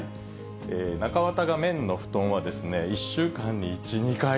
中綿が綿の布団は１週間に１、２回。